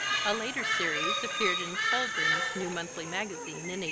A later series appeared in Colburn's New Monthly Magazine in 1843.